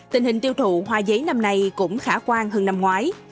tình hình tiêu thụ hoa giấy năm nay cũng khả quan hơn năm ngoái